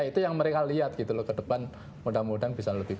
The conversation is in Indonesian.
itu yang mereka lihat gitu loh ke depan mudah mudahan bisa lebih